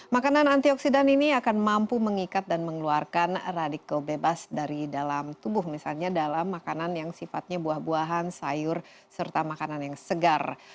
makanan antioksidan ini akan mampu mengikat dan mengeluarkan radikal bebas dari dalam tubuh misalnya dalam makanan yang sifatnya buah buahan sayur serta makanan yang segar